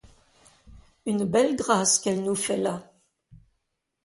Une belle grâce qu'elle nous fait là!